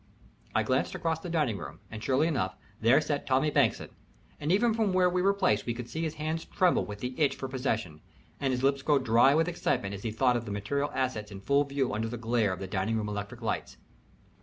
I glanced across the dining room, and sure enough, there sat Tommie Bankson, and even from where we were placed we could see his hands tremble with the itch for possession, and his lips go dry with excitement as he thought of the material assets in full view under the glare of the dining room electric lights.